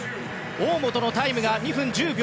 大本のタイムが２分１０秒６５。